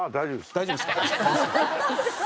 大丈夫っすか？